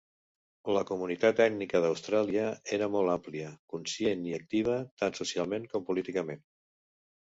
La comunitat ètnica d'Austràlia era molt àmplia, conscient i activa tant socialment com políticament.